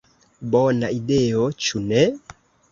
Bona ideo, ĉu ne?